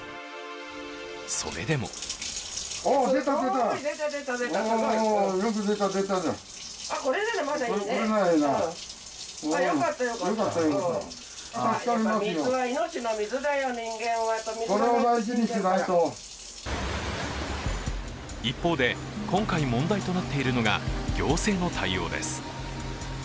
それでも一方で、今回問題となっているのが行政の対応です。